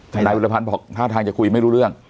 ที่นักหุระพันธุ์พูดท่าทางจะคุยไม่รู้เรื่อง